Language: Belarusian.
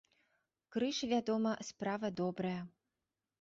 Крыж, вядома, справа добрая.